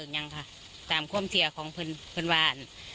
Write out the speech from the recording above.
หนึ่ง๙วัน